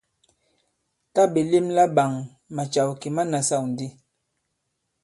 Tǎ ɓè lem laɓāŋ, màcàw kì ma nasâw ndi.